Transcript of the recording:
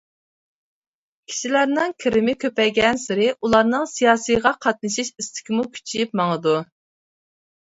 كىشىلەرنىڭ كىرىمى كۆپەيگەنسېرى ئۇلارنىڭ سىياسىيغا قاتنىشىش ئىستىكىمۇ كۈچىيىپ ماڭىدۇ.